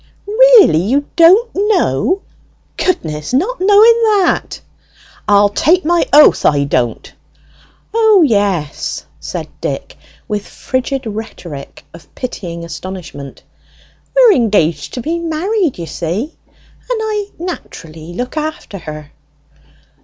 "Really, you don't know? Goodness not knowing that!" "I'll take my oath I don't!" "O yes," said Dick, with frigid rhetoric of pitying astonishment, "we're engaged to be married, you see, and I naturally look after her."